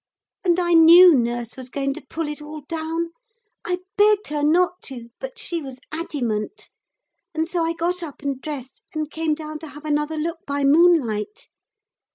And I knew nurse was going to pull it all down. I begged her not to, but she was addymant, and so I got up and dressed and came down to have another look by moonlight.